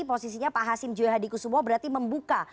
posisinya pak hasim juhadi kusumbo berarti membuka